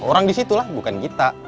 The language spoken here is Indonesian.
orang disitu lah bukan kita